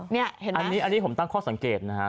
นี่เห็นไหมอันนี้ผมตั้งข้อสังเกตนะฮะ